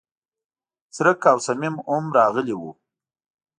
څرک او صمیم هم راغلي و.